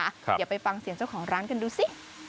เดี๋ยวไปฟังเสียงเจ้าของร้านกันดูสิ